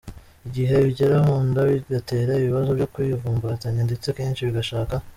igihe bigera mu nda bigatera ibibazo byo kwivumbagatanya ndetse kenshi bigashaka